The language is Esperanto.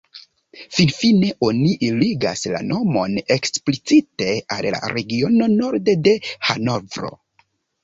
Finfine oni ligas la nomon eksplicite al la regiono norde de Hanovro.